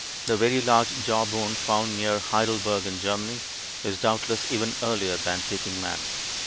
The very large jawbone found near Heidelberg in Germany is doubtless even earlier than Peking man.